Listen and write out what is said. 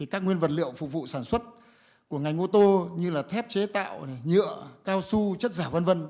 các nguyên vật liệu phục vụ sản xuất của ngành ô tô như là thép chế tạo nhựa cao su chất giả v v